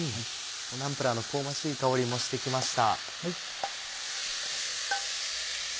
ナンプラーの香ばしい香りもしてきました。